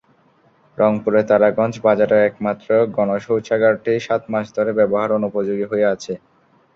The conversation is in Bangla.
রংপুরে তারাগঞ্জ বাজারের একমাত্র গণশৌচাগারটি সাত মাস ধরে ব্যবহার অনুপযোগী হয়ে আছে।